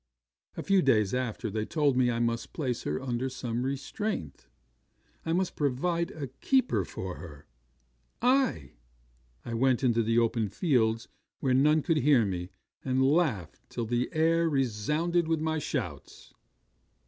A few days after, they told me I must place her under some restraint: I must provide a keeper for her. I! I went into the open fields where none could hear me, and laughed till the air resounded with my shouts!